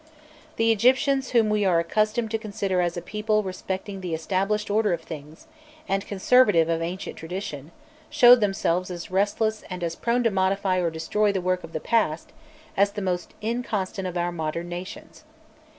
The Egyptians, whom we are accustomed to consider as a people respecting the established order of things, and conservative of ancient tradition, showed themselves as restless and as prone to modify or destroy the work of the past, as the most inconstant of our modern nations.